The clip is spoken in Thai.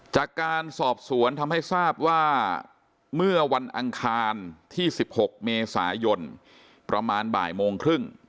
จากการสอบสวนทำให้ทราบว่าเมื่อวันอังคารที่๑๖เมษายนประมาณบ่ายโมงครึ่ง